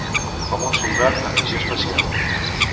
Com un soldat en missió especial.